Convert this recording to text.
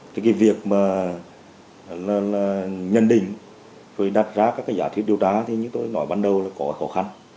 cái việc mà nhân định rồi đặt ra các giả thuyết điều tra thì như tôi nói ban đầu là có khó khăn